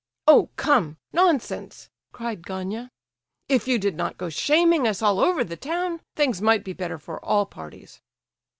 "Oh, come—nonsense!" cried Gania; "if you did not go shaming us all over the town, things might be better for all parties."